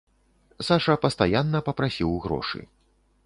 Саша пастаянна папрасіў грошы.